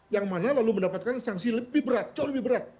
yang mana lalu mendapatkan sanksi lebih berat jauh lebih berat